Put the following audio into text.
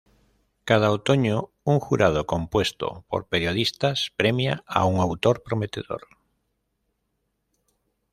Cada otoño, un jurado compuesto por periodistas premia a un autor prometedor.